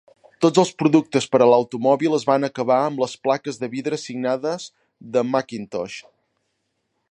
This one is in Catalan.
Tots els productes per a l'automòbil es van acabar amb les plaques de vidre signades de McIntosh.